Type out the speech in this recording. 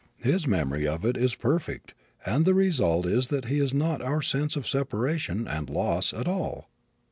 His memory of it is perfect and the result is that he has not our sense of separation and loss at all.